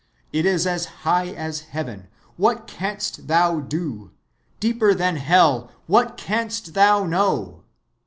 "It is as high as heaven; what canst thou do?—deeper than hell; what canst thou know?"